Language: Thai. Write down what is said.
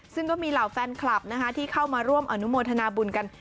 ซึ่งก็มีเหล่าแฟนคลับนะคะที่เข้ามาร่วมอนุโมทนาบุญกัน